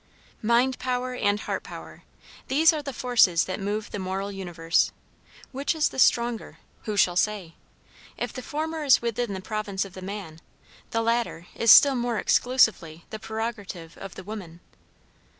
Mind power and heart power these are the forces that move the moral universe. Which is the stronger, who shall say? If the former is within the province of the man, the latter is still more exclusively the prerogative of woman.